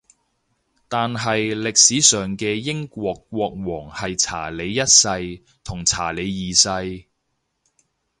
但係歷史上嘅英國國王係查理一世同查理二世